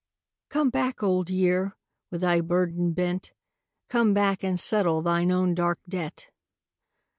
" Come back, Old Year, with thy burden bent. Come back and settle thine own dark debt."